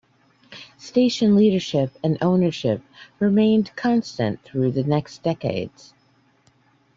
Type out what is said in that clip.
Station leadership and ownership remained constant through the next decades.